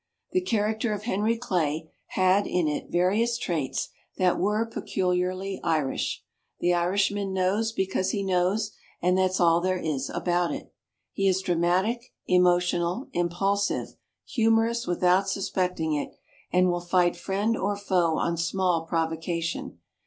The character of Henry Clay had in it various traits that were peculiarly Irish. The Irishman knows because he knows, and that's all there is about it. He is dramatic, emotional, impulsive, humorous without suspecting it, and will fight friend or foe on small provocation.